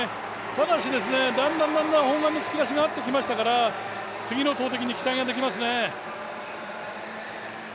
ただしだんだん砲丸の突き出しが合ってきましたから次の投てきに期待ができますね。